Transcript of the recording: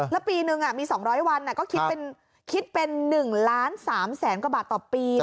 แล้วปีนึงมี๒๐๐วันก็คิดเป็น๑ล้าน๓แสนกว่าบาทต่อปี